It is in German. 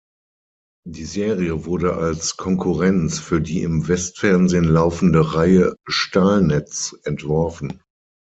Die Serie wurde als „Konkurrenz“ für die im Westfernsehen laufende Reihe "Stahlnetz" entworfen.